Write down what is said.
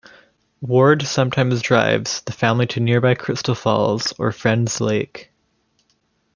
Ward sometimes drives the family to nearby Crystal Falls or Friends Lake.